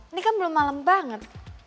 ini kan belum malam banget